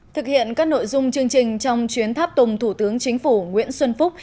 thực hiện các nội dung chương trình trong chuyến tháp tùng thủ tướng chính phủ nguyễn xuân phúc